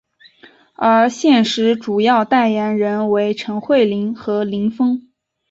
而现时主要代言人为陈慧琳和林峰。